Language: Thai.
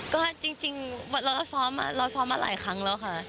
ก็จริงเราซ้อมเราซ้อมมาหลายครั้งแล้วค่ะ